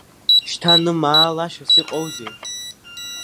Шьҭа нымаалашьас иҟоузеи…